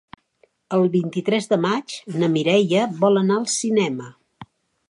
El vint-i-tres de maig na Mireia vol anar al cinema.